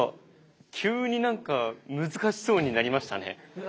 急になんか難しそうになりましたね。